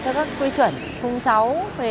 tư chuẩn khung sáu